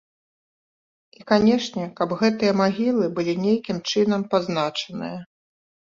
І, канешне, каб гэтыя магілы былі нейкім чынам пазначаныя.